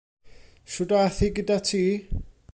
Shwd ath hi gyda ti?